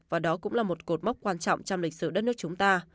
và đó cũng là một cột mốc quan trọng trong lịch sử đất nước chúng ta